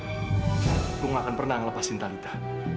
aku gak akan pernah ngelepasin talita